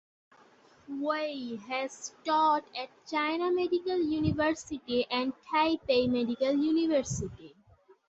Wei has taught at China Medical University and Taipei Medical University.